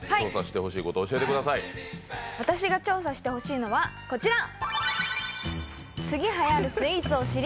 私が調査してほしいのはこちら。